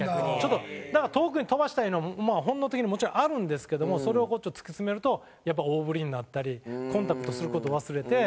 だから遠くに飛ばしたいのも本能的にもちろんあるんですけどもそれを突き詰めるとやっぱり大振りになったりコンタクトする事忘れて。